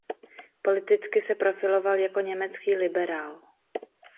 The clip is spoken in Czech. Politicky se profiloval jako německý liberál.